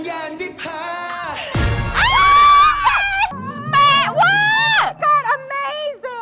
เมนิกสิก